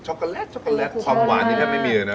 โกแลตช็อกโกแลตความหวานนี่แทบไม่มีเลยนะ